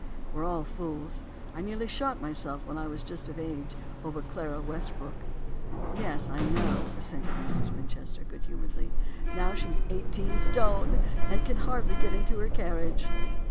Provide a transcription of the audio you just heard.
We're all fools; I nearly shot myself when I was just of age over Clara Westbrook.' "'Yes, I know,' assented 'Mrs. Winchester,' good humouredly; 'now she's eighteen stone and can hardly get into her carriage.